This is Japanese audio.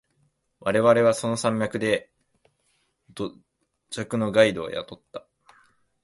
我々はその山脈で土着のガイドを雇った。